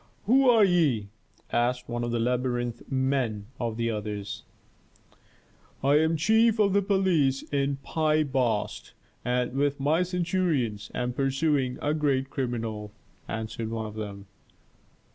"Who are ye?" asked one of the labyrinth men of the others. "I am the chief of police in Pi Bast, and, with my centurions, am pursuing a great criminal," answered one of them.